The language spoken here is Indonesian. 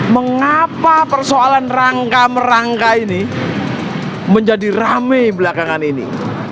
mengapa persoalan rangka merangka ini menjadi rame belakangan ini